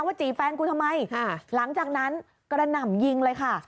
จีบแฟนกูทำไมหลังจากนั้นกระหน่ำยิงเลยค่ะ